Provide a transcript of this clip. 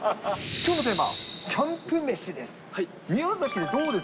きょうのテーマ、キャンプ飯です。